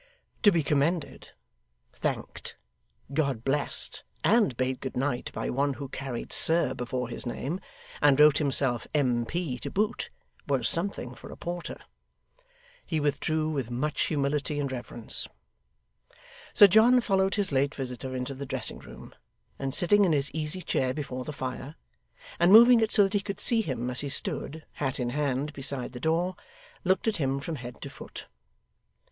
To be commended, thanked, God blessed, and bade good night by one who carried 'Sir' before his name, and wrote himself M.P. to boot, was something for a porter. He withdrew with much humility and reverence. Sir John followed his late visitor into the dressing room, and sitting in his easy chair before the fire, and moving it so that he could see him as he stood, hat in hand, beside the door, looked at him from head to foot.